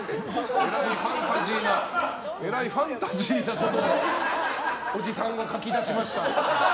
えらいファンタジーなことをおじさんが書き出しました。